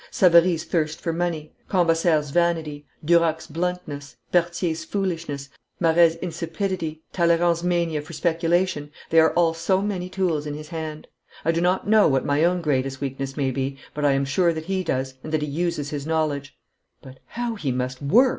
Savary's thirst for money, Cambaceres's vanity, Duroc's bluntness, Berthier's foolishness, Maret's insipidity, Talleyrand's mania for speculation, they are all so many tools in his hand. I do not know what my own greatest weakness may be, but I am sure that he does, and that he uses his knowledge.' 'But how he must work!'